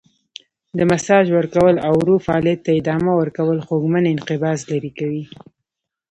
د ماساژ ورکول او ورو فعالیت ته ادامه ورکول خوږمن انقباض لرې کوي.